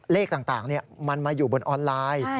เลขต่างมันมาอยู่บนออนไลน์